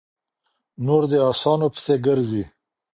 نور دې اسانو پسې ګرځي؛